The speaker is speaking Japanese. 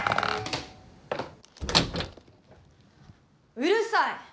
うるさい！